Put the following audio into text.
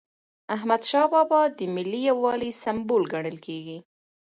احمدشاه بابا د ملي یووالي سمبول ګڼل کېږي.